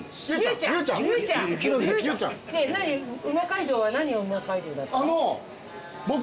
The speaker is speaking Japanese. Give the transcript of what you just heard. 「うま街道！」は何「うま街道！」だった？